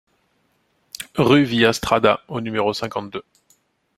Rue Via Strada au numéro cinquante-deux